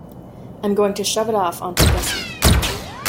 I'm going to shove it off on to Gussie.